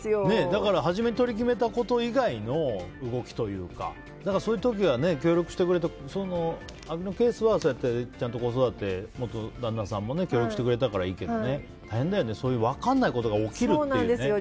だから初めに取り決めたこと以外の動きというかそういう時は協力してくれて青木のケースはちゃんと子育て、元旦那さんも協力してくれたからいいけど大変だよね分からないことが起きるとね。